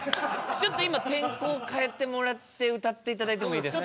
ちょっと今天候をかえてもらって歌って頂いてもいいですか？